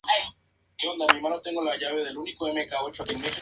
La bendición o don definitivo es el logro del objetivo de la misión.